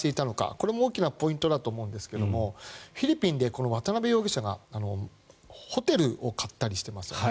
これも大きなポイントだと思うんですけどもフィリピンで渡邉容疑者がホテルを買ったりしてますよね。